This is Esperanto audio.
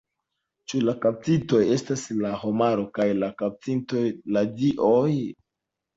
Ĉu la kaptitoj estas la homaro kaj la kaptintoj la dioj?